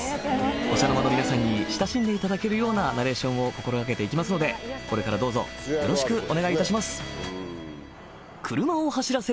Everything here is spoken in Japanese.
お茶の間の皆さんに親しんでいただけるようなナレーションを心がけていきますのでこれからどうぞよろしくお願いいたします